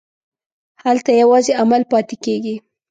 هلته یوازې عمل پاتې کېږي.